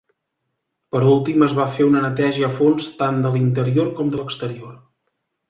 Per últim es va fer una neteja a fons tant de l'interior com de l'exterior.